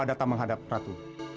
hamba datang menghadap ratu